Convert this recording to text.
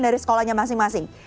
dari sekolahnya masing masing